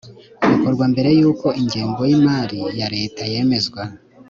bikorwa mbere y'uko ingengo y'imari ya leta yemezwa